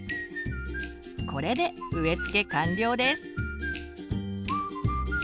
これで植えつけ完了です！